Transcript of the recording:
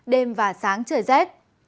đêm và sáng trời rét